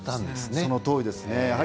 そのとおりです。